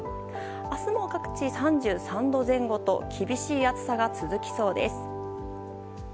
明日も各地３３度前後と厳しい暑さが続きそうです。